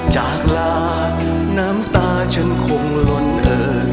จากลาน้ำตาฉันคงลนเอ่อ